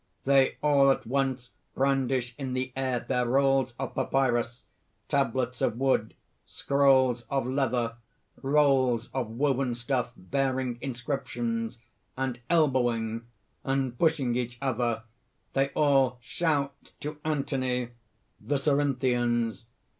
(_They all at once brandish in the air their rolls of papyrus, tablets of wood, scrolls of leather, rolls of woven stuff bearing inscriptions; and elbowing; and pushing each other, they all shout to Anthony._) THE CERINTHIANS.